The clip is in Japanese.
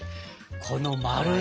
この丸ね。